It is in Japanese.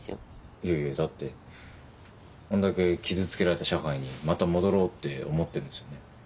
いやいやだってあんだけ傷つけられた社会にまた戻ろうって思ってるんですよね。